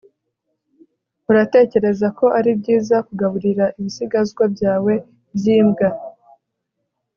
uratekereza ko ari byiza kugaburira ibisigazwa byawe byimbwa